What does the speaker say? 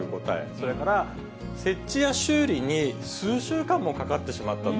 それから設置や修理に数週間もかかってしまったと。